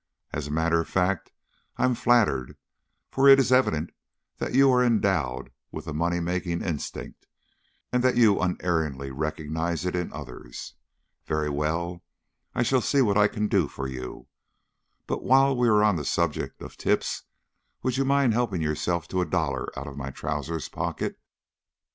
"As a matter of fact, I am flattered, for it is evident that you are endowed with the money making instinct and that you unerringly recognize it in others. Very well, I shall see what I can do for you. But while we are on the subject of tips, would you mind helping yourself to a dollar out of my trousers pocket?"